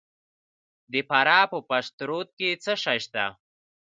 د فراه په پشت رود کې څه شی شته؟